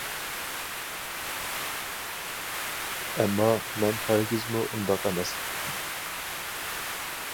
ئەمما، مەن ھەرگىزمۇ ئۇنداق ئەمەس.